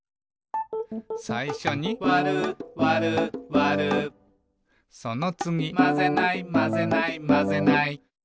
さいしょに「わるわるわる」そのつぎ「まぜないまぜないまぜない」